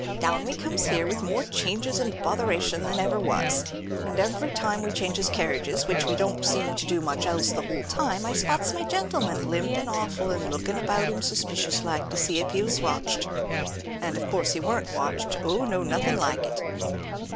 Down we comes here with more changes and botheration than ever was; and every time we changes carriages, which we don't seem to do much else the whole time, I spots my gentleman, limpin' awful, and lookin' about him suspicious like, to see if he was watched. And, of course, he weren't watched—oh, no; nothin' like it.